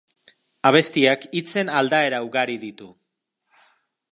Abestiak hitzen aldaera ugari ditu.